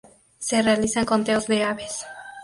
Se realizan conteos de aves.